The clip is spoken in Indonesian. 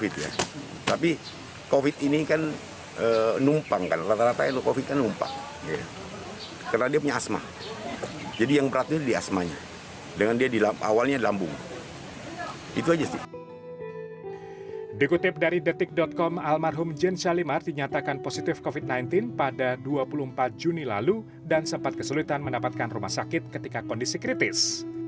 dikutip dari detik com almarhum jane salimar dinyatakan positif covid sembilan belas pada dua puluh empat juni lalu dan sempat kesulitan mendapatkan rumah sakit ketika kondisi kritis